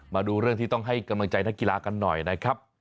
มาดูเรื่องที่ต้องให้กำลังใจนักกีฬากันหน่อยนะครับ